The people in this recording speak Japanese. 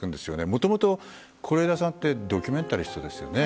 もともと是枝さんはドキュメンタリーの人ですよね。